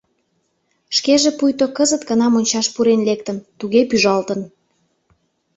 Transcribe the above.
Шкеже пуйто кызыт гына мончаш пурен лектын, туге пӱжалтын.